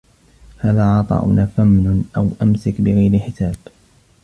هذا عَطاؤُنا فَامنُن أَو أَمسِك بِغَيرِ حِسابٍ